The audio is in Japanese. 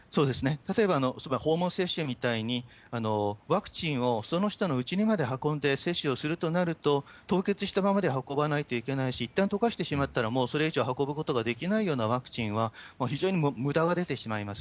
例えば訪問接種みたいに、ワクチンをその人のうちの中まで運んで接種をするとなると、凍結したままで運ばないといけないし、いったん溶かしてしまったらもうそれ以上運ぶことができないようなワクチンは、非常にむだが出てしまいます。